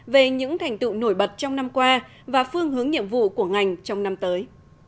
về những thành tựu nổi bật trong năm qua và phương hướng nhiệm vụ của ngành trong năm tới